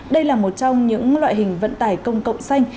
đây là một trong những loại hình vận tải công cộng xanh